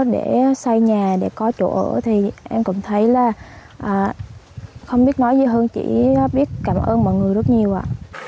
để xây nhà để có chỗ ở thì em cũng thấy là không biết nói gì hơn chỉ biết cảm ơn mọi người rất nhiều ạ